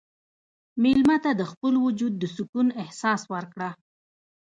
مېلمه ته د خپل وجود د سکون احساس ورکړه.